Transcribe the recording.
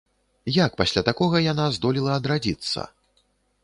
Як пасля такога яна здолела адрадзіцца?